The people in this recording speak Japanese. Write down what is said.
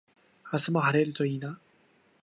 明日も晴れるといいな